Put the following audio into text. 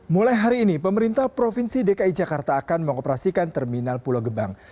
mulai hari ini pemerintah provinsi dki jakarta akan mengoperasikan terminal pulau gebang